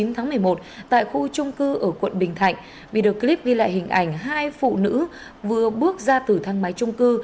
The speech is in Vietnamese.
tháng một mươi một tại khu trung cư ở quận bình thạnh video clip ghi lại hình ảnh hai phụ nữ vừa bước ra từ thang máy trung cư